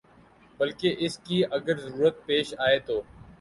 بلکہ اس کی اگر ضرورت پیش آئے تو